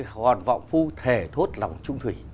hòn vọng phu thề thốt lòng trung thủy